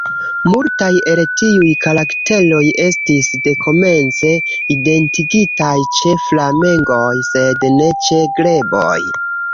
Multaj el tiuj karakteroj estis dekomence identigitaj ĉe flamengoj, sed ne ĉe greboj.